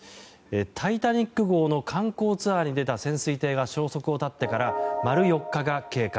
「タイタニック号」の観光ツアーに出た潜水艇が消息を絶ってから丸４日が経過。